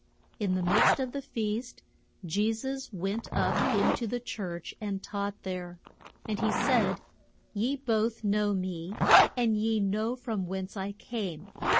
In the midst of the feast Je sus went up in to the church and taught there. And he said, Ye both know me, and ye know from whence I came.